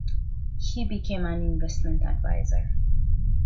He became an investment adviser.